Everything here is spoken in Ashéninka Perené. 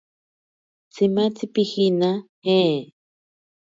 Tsimatzi pijina? ¿je?